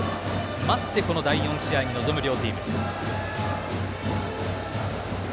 待ってこの第４試合に臨む両チーム。